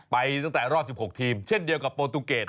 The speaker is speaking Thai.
ไปตั้งแต่รอบ๑๖ทีมเช่นเดียวกับโปรตูเกรด